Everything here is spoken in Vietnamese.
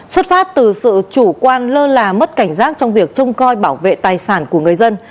xuất phát từ sự chủ quan lơ là mất cảnh giác trong việc trông coi bảo vệ tài sản của người dân